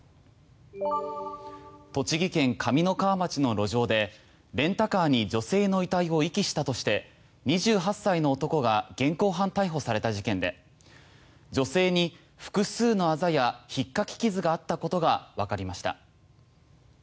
栃木県上三川町の路上でレンタカーに女性の遺体を遺棄したとして２８歳の男が現行犯逮捕された事件で女性に複数のあざやひっかき傷があったことがわかりました。